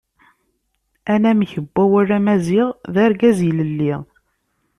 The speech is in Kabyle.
Anamek n wawal Amaziɣ d Argaz ilelli.